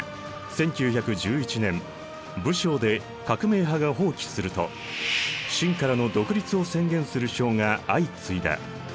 １９１１年武昌で革命派が蜂起すると清からの独立を宣言する省が相次いだ。